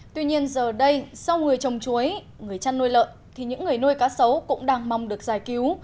tuy nhiên giờ đây sau người trồng chuối người chăn nuôi lợn thì những người nuôi cá sấu cũng đang mong được giải cứu